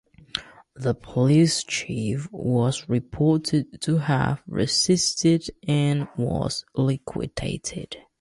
The police chief was reported to have resisted and was "liquidated".